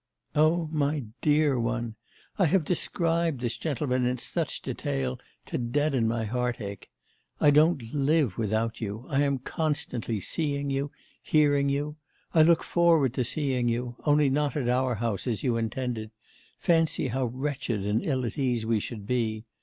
'Oh, my dear one! I have described this gentleman in such detail to deaden my heartache. I don't live without you; I am constantly seeing you, hearing you. I look forward to seeing you only not at our house, as you intended fancy how wretched and ill at ease we should be!